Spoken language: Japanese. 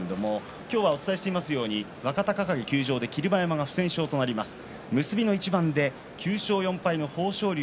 今日はお伝えしていますように若隆景休場で霧馬山、不戦勝となります、結びの一番で９勝４敗の豊昇龍。